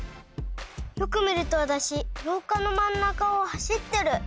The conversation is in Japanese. よく見るとわたしろうかの真ん中を走ってる。